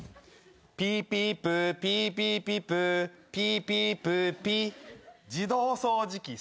「ピーピープーピーピーピープーピーピープーピッ」自動掃除機サンバ。